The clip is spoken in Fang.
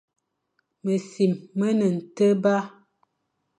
Mesim me ne nteghba.